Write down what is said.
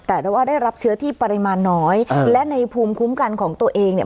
แต่ได้ว่าได้รับเชื้อที่ปริมาณน้อยและในภูมิคุ้มกันของตัวเองเนี่ย